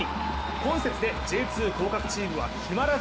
今節でＪ２降格チームは決まらず。